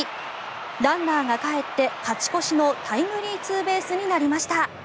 ランナーがかえって勝ち越しのタイムリーツーベースになりました。